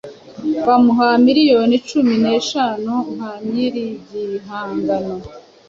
bamuha miliyoni cumi neshanu nka nyir’igihangano